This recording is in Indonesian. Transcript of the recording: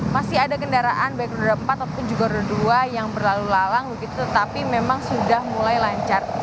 masih ada kendaraan baik roda empat ataupun juga roda dua yang berlalu lalang begitu tetapi memang sudah mulai lancar